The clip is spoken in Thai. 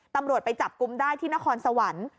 ตำรวจไปจับกลุ่มได้ที่นครสวรรค์